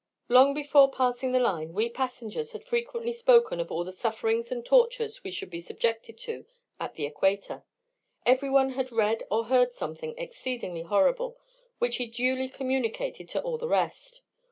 Long before passing the line, we passengers had frequently spoken of all the sufferings and tortures we should be subjected to at the Equator. Every one had read or heard something exceedingly horrible, which he duly communicated to all the rest.